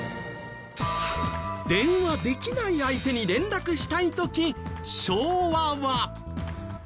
電話できない相手に連絡したい時昭和は。